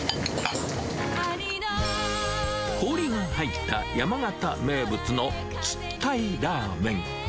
氷の入った山形名物のつったいラーメン。